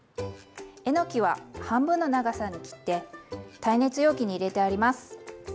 えのきは半分の長さに切って耐熱容器に入れてあります。